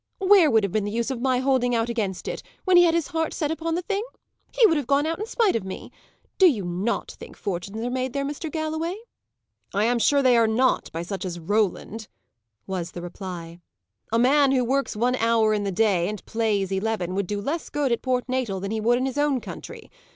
"Where would have been the use of my holding out against it, when he had set his heart upon the thing? He would have gone in spite of me. Do you not think fortunes are made there, Mr. Galloway?" "I am sure they are not, by such as Roland," was the reply. "A man who works one hour in the day, and plays eleven, would do less good at Port Natal than he would in his own country.